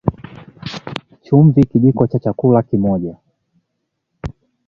Chumvi Kijiko cha chakula moja